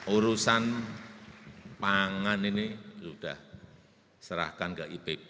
urusan pangan ini sudah serahkan ke ipb